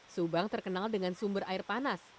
subang terkenal dengan sumber air panas